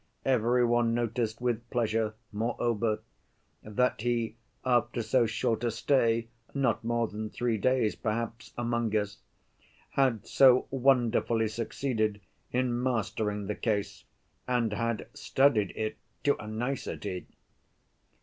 Every one noticed with pleasure, moreover, that he, after so short a stay, not more than three days, perhaps, among us, had so wonderfully succeeded in mastering the case and "had studied it to a nicety."